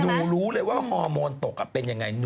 รู้เลยว่าฮอร์โมนตกเป็นยังไง